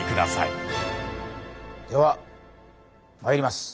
ではまいります。